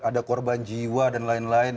ada korban jiwa dan lain lain